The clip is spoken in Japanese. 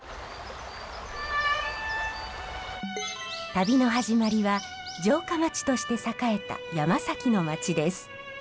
旅の始まりは城下町として栄えた山崎の町です。